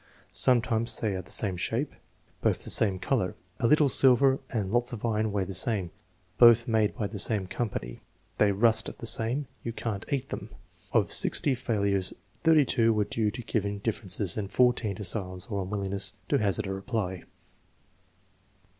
"Sometimes they are the same shape." "Both the same color." "A little silver and lots of iron weigh the same." "Both made by the same company." "They rust the same." "You can't eat them" (!)* Of 60 failures, 32 were due to giving differences and 14 to silence or unwillingness to hazard a reply.